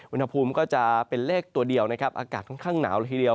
อุณหภูมิก็จะเป็นเลขตัวเดียวนะครับอากาศค่อนข้างหนาวละทีเดียว